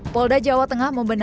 polda jawa tengah membenarikannya